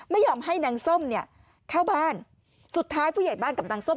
ไม่ยอมให้นางส้มเนี่ยเข้าบ้านสุดท้ายผู้ใหญ่บ้านกับนางส้ม